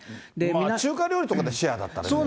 中華料理とかでシェアだったらいいけどね。